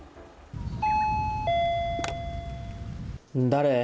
誰？